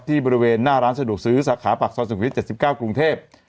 ที่บริเวณหน้าร้านสะดวกซื้อสาขาปักซ่อนสุขฤทธิ์เจ็ดสิบเก้ากรุงเทพ